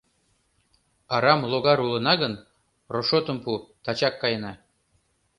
Арам логар улына гын, рошотым пу: тачак каена.